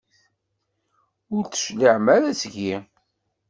Ur d-tecliɛem ara seg-i.